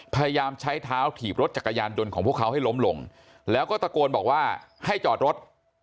พยายามใช้เท้าถีบรถจักรยานยนต์ของพวกเขาให้ล้มลงแล้วก็ตะโกนบอกว่าให้จอดรถ